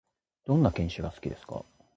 どんな犬種が好きですか？